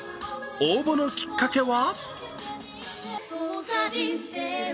応募のきっかけは？